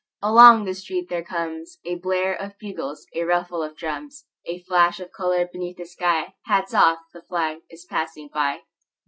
Along the street there comesA blare of bugles, a ruffle of drums,A flash of color beneath the sky:Hats off! The flag is passing by!